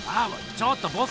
ちょっとボス！